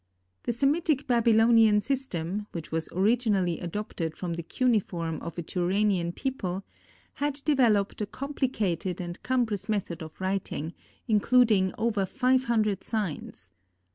The Semitic Babylonian system which was originally adopted from the cuneiform of a Turanian people, had developed a complicated and cumbrous method of writing, including over five hundred signs.